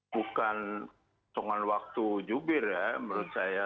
bukan soal waktu jubir ya menurut saya